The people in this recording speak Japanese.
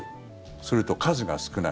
それと、数が少ない。